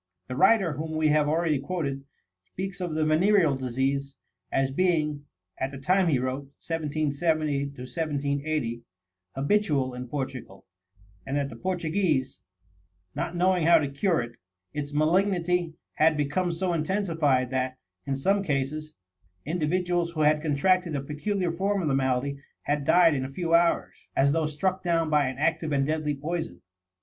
The writer whom we have already quoted speaks of the venereal disease as being, at the time he wrote (1770 1780), habitual in Portugal, and that the Portuguese not knowing how to cure it, its malignity had become so intensified that, in some cases, individuals who had contracted a peculiar form of the malady had died in a few hours, as though struck down by an active and deadly poison.